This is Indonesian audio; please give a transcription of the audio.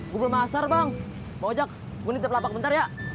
gue belum asar bang mau ajak gue nitip lapak bentar ya